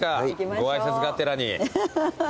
ご挨拶がてらに。